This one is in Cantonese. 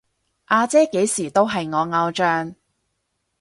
阿姐幾時都係我偶像